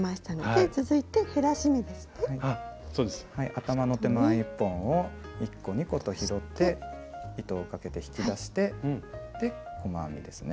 頭の手前１本を１個２個と拾って糸をかけて引き出して細編みですね